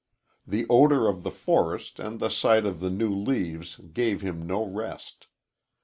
The odor of the forest and the sight of the new leaves gave him no rest.